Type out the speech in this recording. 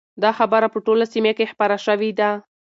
دا خبره په ټوله سیمه کې خپره شوې ده.